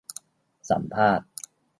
สัมภาษณ์